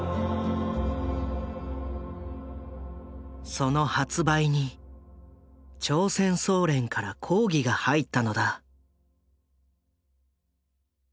その発売に朝鮮総連から抗議が入ったのだ。